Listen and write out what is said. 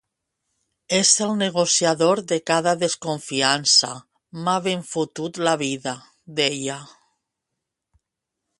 És el negociador de cada desconfiança, m’ha ben fotut la vida, deia.